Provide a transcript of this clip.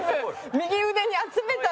右腕に集めたら。